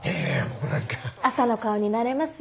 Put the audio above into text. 朝の顔になれますよ。